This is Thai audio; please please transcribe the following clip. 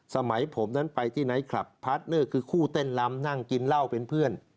สมัยผมนั้นไปที่ไนท์คลับพาร์ทเนอร์คือคู่เต้นลำนั่งกินเหล้าเป็นเพื่อน